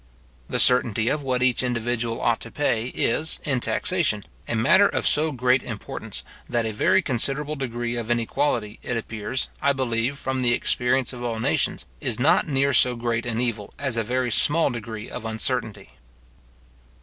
The certainty of what each individual ought to pay is, in taxation, a matter of so great importance, that a very considerable degree of inequality, it appears, I believe, from the experience of all nations, is not near so great an evil as a very small degree of uncertainty.